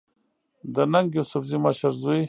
د ننګ يوسفزۍ مشر زوی